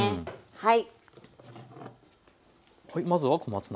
はい。